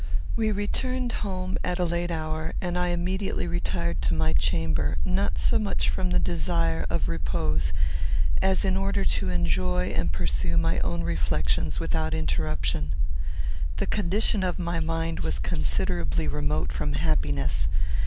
We returned home at a late hour, and I immediately retired to my chamber, not so much from the desire of repose as in order to enjoy and pursue my own reflections without interruption. The condition of my mind was considerably remote from happiness.